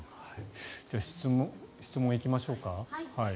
質問行きましょうか。